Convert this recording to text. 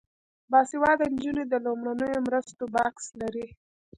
باسواده نجونې د لومړنیو مرستو بکس لري.